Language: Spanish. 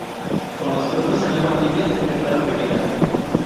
Con los frutos en agua tibia se preparan bebidas.